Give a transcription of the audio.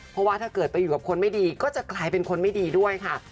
เพราะว่าถ้าเกิดไปอยู่กับคนไม่ดีก็จะกลายเป็นคนไม่ดีด้วยค่ะ